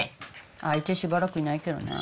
相手しばらくいないけどね。